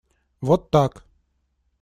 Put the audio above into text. Вот так.